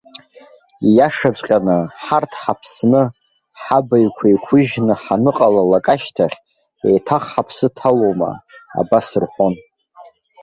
Ииашаҵәҟьаны, ҳарҭ ҳаԥсны, ҳабаҩқәа еиқәыжьны ҳаныҟалалак ашьҭахь, еиҭах ҳаԥсы ҭалоума?- абас рҳәон.